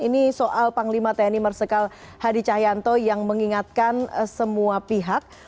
ini soal panglima tni marsikal hadi cahyanto yang mengingatkan semua pihak